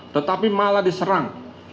tetapi malah diserang